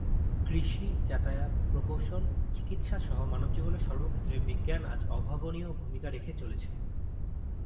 কৃষি, যাতায়াত, প্রকৌশল, চিকিৎসাসহ মানবজীবনের সর্বক্ষেত্রে বিজ্ঞান আজ অভাবনীয় ভূমিকা রেখে চলেছে।